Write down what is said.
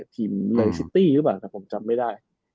ทีมเลนซิตี้หรือเปล่าแต่ผมจำไม่ได้